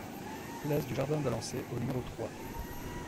Place du Jardin d'Alençay au numéro trois